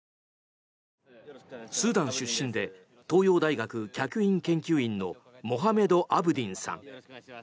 スーダン出身で東洋大学客員研究員のモハメド・アブディンさん。